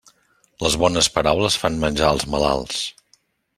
Les bones paraules fan menjar els malalts.